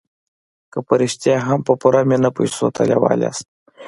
که په رښتیا هم په پوره مينه پيسو ته لېوال ياست.